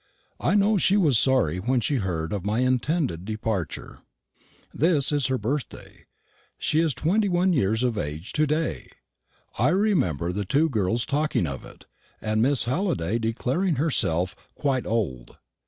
I know she was sorry when she heard of my intended departure. This is her birthday. She is twenty one years of age to day. I remember the two girls talking of it, and Miss Halliday declaring herself "quite old."